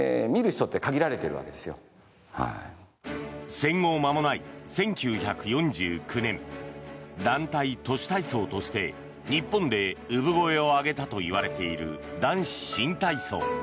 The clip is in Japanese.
戦後まもない１９４９年団体徒手体操として日本で産声を上げたといわれている男子新体操。